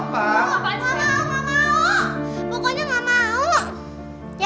kan dong kan ya